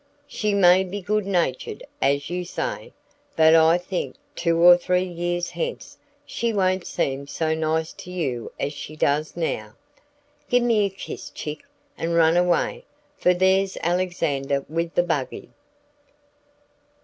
She may be good natured, as you say, but I think two or three years hence she won't seem so nice to you as she does now. Give me a kiss, Chick, and run away, for there's Alexander with the buggy."